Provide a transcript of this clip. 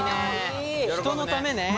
人のためね。